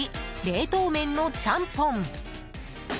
冷凍麺のちゃんぽん。